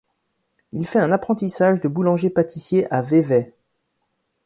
Il fait un apprentissage de boulanger-pâtissier à Vevey.